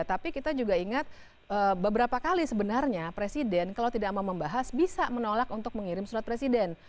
tapi kita juga ingat beberapa kali sebenarnya presiden kalau tidak mau membahas bisa menolak untuk mengirim surat presiden